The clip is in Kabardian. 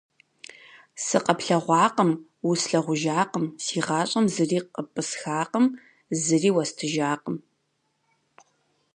Сыкъэплъэгъуакъым, услъагъужакъым, си гъащӀэм зыри къыпӀысхакъым, зыри уэстыжакъым.